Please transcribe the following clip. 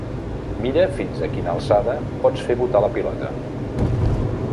Mira fins a quina alçada pots fer botar la pilota